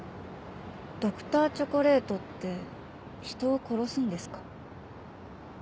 Ｄｒ．チョコレートって人を殺すんですか？